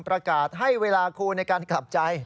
ประกาศให้เวลาครูในการกลับใจ